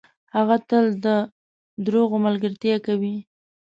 هغه تل ده دروغو ملګرتیا کوي .